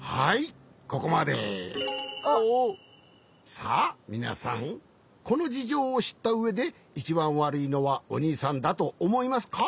さあみなさんこのじじょうをしったうえでいちばんわるいのはおにいさんだとおもいますか？